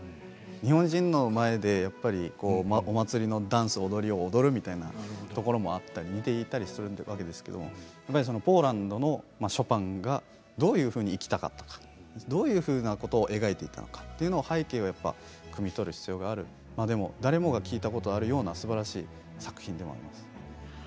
日本人の前でお祭りのダンスを踊るような感じで似ていたりするんですけれどポーランドの、ショパンがどういうふうに生きたかどういうふうなことを描いていたのかという背景をくみ取る必要があって誰もが聴いたことがあるようなすばらしい作品なんです。